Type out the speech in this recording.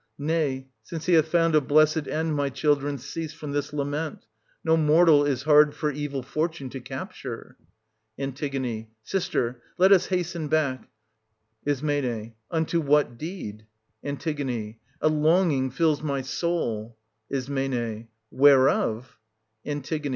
Nay, since he hath found a blessed end, my children, cease from this lament ; no mortal is hard for evil fortune to capture. An. Sister, let us hasten back. Is. Unto what str. 2. deed? An. a longing fills my soul. Is. Whereof? An.